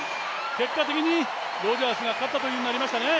結果的にロジャースが勝ったということになりましたね。